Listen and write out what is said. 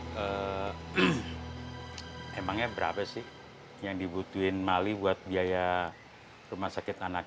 hai kah eh among nya berapa sih yang dibutuhin mali buat biaya rumah sakit anak